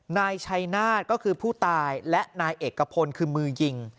นายชัยนาฏก็คือผู้ตายและนายเอกพลคือมือยิง